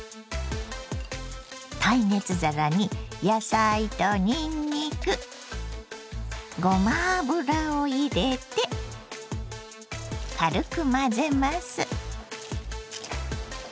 耐熱皿に野菜とにんにくごま油を入れて軽く混ぜます。